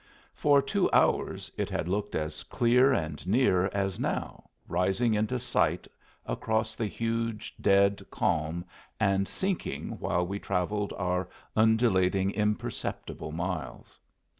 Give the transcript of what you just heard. For two hours it had looked as clear and near as now, rising into sight across the huge dead calm and sinking while we travelled our undulating, imperceptible miles.